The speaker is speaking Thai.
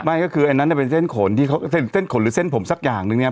ไม่ก็คืออันนั้นเป็นเส้นขนหรือเส้นผมสักอย่างนึงเนี่ย